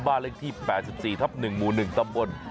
ยาวไปเลยไปที่บ้านเลขที่๘๔ทับ๑หมู่๑ตำบล